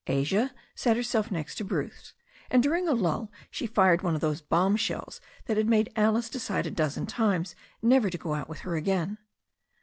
Asia sat herself next to Bruce, and during a lull she fired one of those bombshells that had made Alice decide a dozen times never to go out with her again.